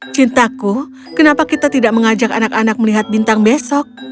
cintaku kenapa kita tidak mengajak anak anak melihat bintang besok